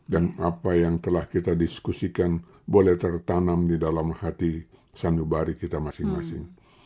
dan apa yang telah kita diskusikan boleh tertanam di dalam hati sandubari kita masing masing